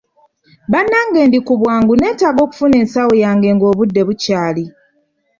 Bannange ndi ku bwangu neetaaga okufuna ensawo yange ng'obudde bukyali.